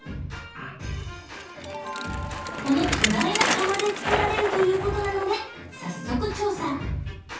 この巨大な釜で作られるという事なので早速調査。